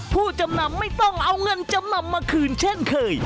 ผู้จำนำไม่ต้องเอาเงินจำนำมาคืนเช่นเคย